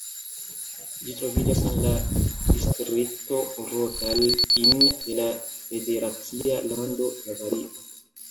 Ĝi troviĝas en la distrikto Rottal-Inn de la federacia lando Bavario.